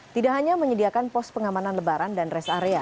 tidak hanya menyediakan pos pengamanan lebaran dan rest area